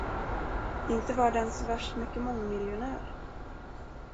Inte var den så värst mycket mångmiljonär.